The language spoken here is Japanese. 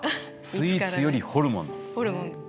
スイーツよりホルモンなんですね。